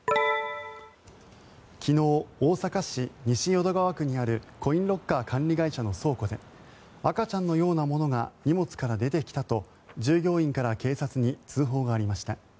昨日大阪市西淀川区にあるコインロッカー管理会社の倉庫で赤ちゃんのようなものが荷物から出てきたと従業員から警察に通報がありました。